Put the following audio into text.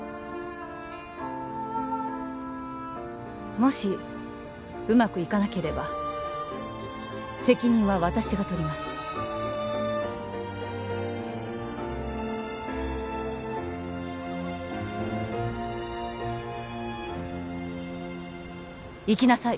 もしうまくいかなければ責任は私が取ります行きなさい